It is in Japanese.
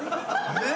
えっ？